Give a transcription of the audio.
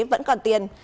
vẫn còn tiền